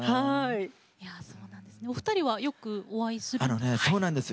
お二人はよくお会いするんですか。